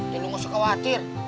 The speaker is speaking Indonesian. ya lu gak usah khawatir